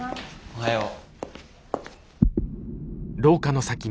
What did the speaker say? おはよう。